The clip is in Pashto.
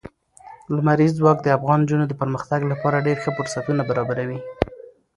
لمریز ځواک د افغان نجونو د پرمختګ لپاره ډېر ښه فرصتونه برابروي.